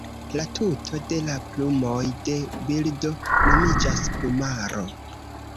La tuto de la plumoj de birdo nomiĝas "plumaro".